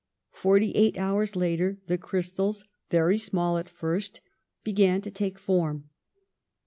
Forty eight hours later the crystals, very small at first, began to take form.